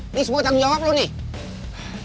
ini semua tanggung jawab lo nih